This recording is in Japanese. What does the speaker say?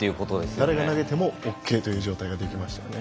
誰が投げてもオーケーという状態ができました。